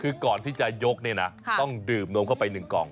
คือก่อนที่จะยกเนี่ยนะต้องดื่มนมเข้าไป๑กล่อง